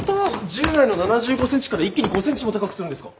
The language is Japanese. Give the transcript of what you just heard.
従来の７５センチから一気に５センチも高くするんですか？